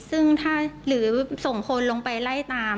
ซึ่งถ้าหรือส่งคนลงไปไล่ตาม